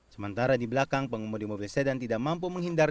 sementara di belakang pengemudi mobil sedan tidak mampu menghindar